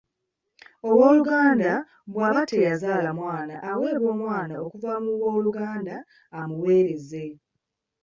Ow’oluganda bw’aba teyazaala mwana aweebwa omwana okuva mu b'oluganda amuweereze.